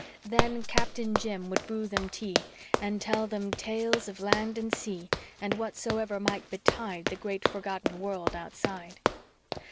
Then Captain Jim would brew them tea and tell them "tales of land and sea And whatsoever might betide The great forgotten world outside."